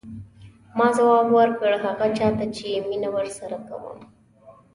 ما ځواب ورکړ هغه چا ته چې مینه ورسره کوم.